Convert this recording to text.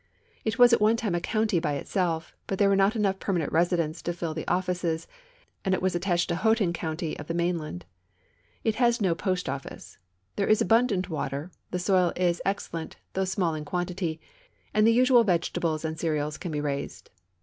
It was at one time a county by itself, but there were not enough permanent residents to fill the offices, and it was attached to Hcmghton county of the mainland. It has no post office. There is abundant water, the soil is excel lent, though small in quantity, and the usual vegetables and cereals can be raised.